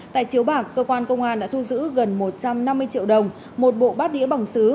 tại chiếu bạc cơ quan công an đã thu giữ gần một trăm năm mươi triệu đồng một bộ bát đĩa bằng sứ